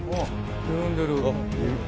緩んでる。